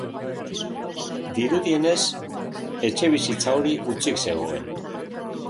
Dirudienez, etxebizitza hori hutsik zegoen.